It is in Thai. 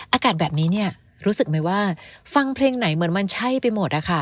อากาศแบบนี้เนี่ยรู้สึกไหมว่าฟังเพลงไหนเหมือนมันใช่ไปหมดอะค่ะ